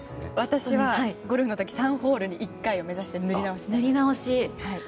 私はゴルフの時３ホールに１回を目指して塗り直しています。